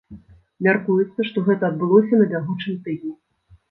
Мяркуецца, што гэта адбылося на бягучым тыдні.